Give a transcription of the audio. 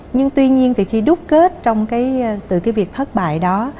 nhưng tuy nhiên khi rút kết từ việc thất bại đó